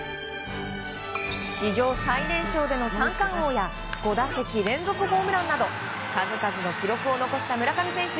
史上最年少での三冠王や５打席連続ホームランなど数々の記録を残した村上選手。